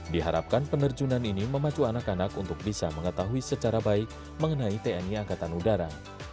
diharapkan penerjunan ini memacu anak anak untuk bisa mengetahui secara baik mengenai tni angkatan udara